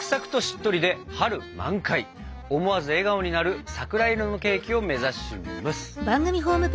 思わず笑顔になる桜色のケーキを目指します！